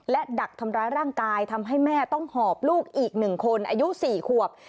และดักทำร้ายร่างกายทำให้แม่ต้องหอบลูกอีก๑คนอายุ๔ขวบ